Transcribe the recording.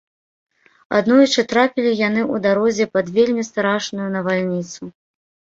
Аднойчы трапілі яны ў дарозе пад вельмі страшную навальніцу.